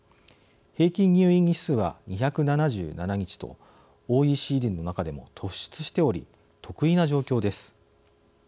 平均入院日数は２７７日とＯＥＣＤの中でも突出しており特異な状況です。